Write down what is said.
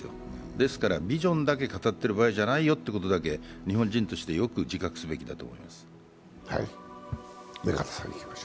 ですからビジョンだけ語っている場合じゃないよということを日本人としてよく自覚すべきだと思います。